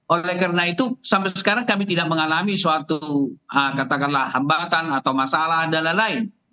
oleh karena itu sampai sekarang kami tidak mengalami suatu katakanlah hambatan atau masalah dan lain lain